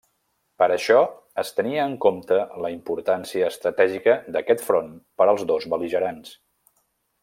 Per això es tenia en compte la importància estratègica d'aquest front per als dos bel·ligerants.